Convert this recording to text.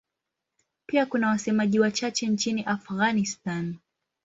Pia kuna wasemaji wachache nchini Afghanistan.